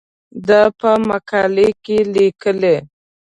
دا په مقاله کې لیکې.